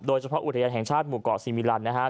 โดยเฉพาะอุทยานแห่งชาติหมู่เกาะซีมิลันนะครับ